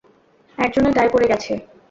একজনের গায়ে পড়ে গেছে।